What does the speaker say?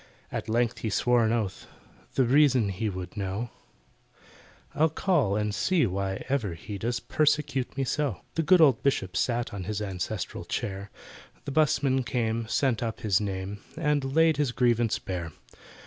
At length he swore an oath, The reason he would know— "I'll call and see why ever he Does persecute me so!" The good old Bishop sat On his ancestral chair, The 'busman came, sent up his name, And laid his grievance bare.